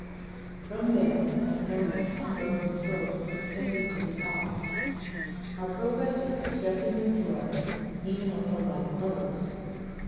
From there an apparently unbroken slope extended to the top. Our progress was distressingly slow, even with the light loads.